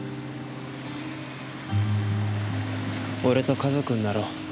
俺と家族になろう。